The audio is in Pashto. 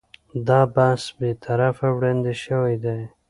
دا بحث بې طرفه وړاندې شوی دی.